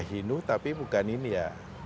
hindu tapi bukan india